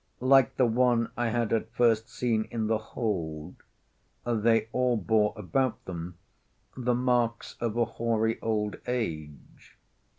Like the one I had at first seen in the hold, they all bore about them the marks of a hoary old age.